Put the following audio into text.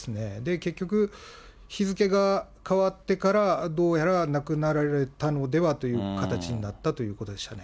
結局、日付が変わってから、どうやら亡くなられたのではという形になったということでしたね。